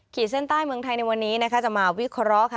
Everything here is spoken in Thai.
เส้นใต้เมืองไทยในวันนี้นะคะจะมาวิเคราะห์ค่ะ